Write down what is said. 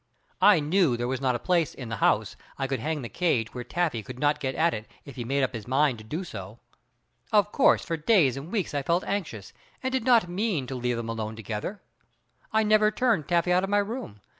I knew there was not a place in the house I could hang the cage where Taffy could not get at it if he made up his mind to do so. Of course for days and weeks I felt anxious, and did not mean to leave them alone together. I never turned Taffy out of my room.